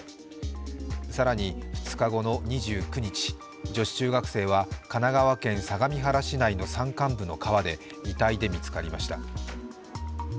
更に２日後の２９日、女子中学生は神奈川県相模原市内の山間部の川で遺体で見つかりました。